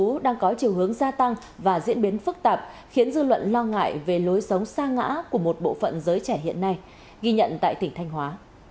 cơ sở lưu trú đang có chiều hướng gia tăng và diễn biến phức tạp khiến dư luận lo ngại về lối sống xa ngã của một bộ phận giới trẻ hiện nay ghi nhận tại tỉnh thanh hóa